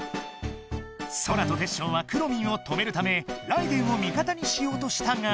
ソラとテッショウはくろミンを止めるためライデェンをみ方にしようとしたが。